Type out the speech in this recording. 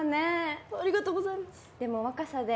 ありがとうございます。